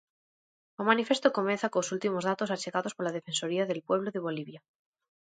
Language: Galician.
O manifesto comeza cos últimos datos achegados pola Defensoría del Pueblo de Bolivia.